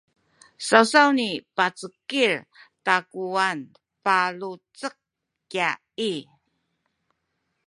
sawsawni pacekil i takuwan palucek kya i